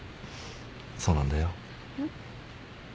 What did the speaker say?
そうなんだよ。